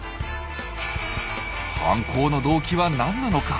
犯行の動機は何なのか？